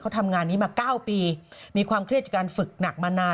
ทำงานนี้มา๙ปีมีความเครียดจากการฝึกหนักมานาน